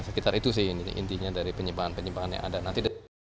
sekitar itu sih intinya dari penyimpangan penyimpangan yang ada